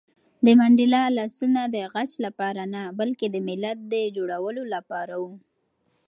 د منډېلا لاسونه د غچ لپاره نه، بلکې د ملت د جوړولو لپاره وو.